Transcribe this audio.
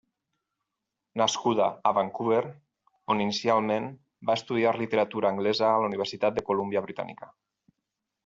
Nascuda a Vancouver, on inicialment va estudiar literatura anglesa a la Universitat de Colúmbia Britànica.